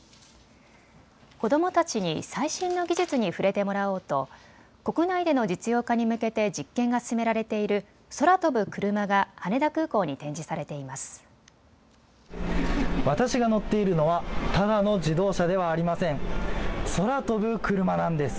子どもたちに最新の技術に触れてもらおうと国内での実用化に向けて実験が進められている空飛ぶクルマが羽田空港に展示されています。